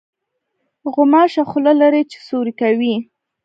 غوماشه خوله لري چې سوري کوي.